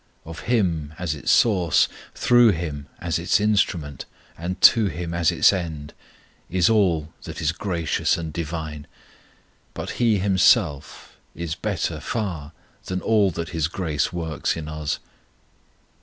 Of Him as its source, through Him as its instrument, and to Him as its end, is all that is gracious and divine. But HE HIMSELF is better far than all that His grace works in us.